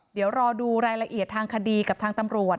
เดี๋ยวรอดูรายละเอียดทางคดีกับทางตำรวจ